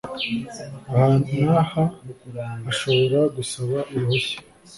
aha n’aha ashobora gusaba uruhushya